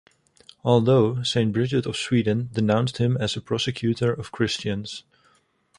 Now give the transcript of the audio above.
Although, Saint Bridget of Sweden denounced him as a persecutor of Christians.